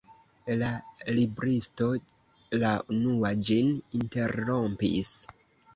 La libristo la unua ĝin interrompis.